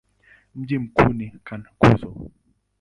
Mji mkuu ni Cankuzo.